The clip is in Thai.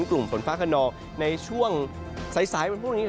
กลุ่มฝนฟ้าขนองในช่วงสายวันพรุ่งนี้